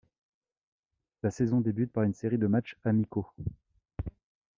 La saison débute par une série de matchs amicaux.